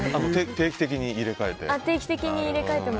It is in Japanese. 定期的に入れ替えて？